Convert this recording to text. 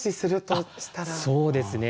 そうですね。